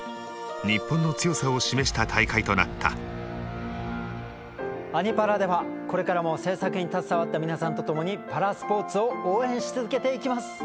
日本の強さを示した大会となった「アニ×パラ」ではこれからも制作に携わった皆さんと共にパラスポーツを応援し続けていきます。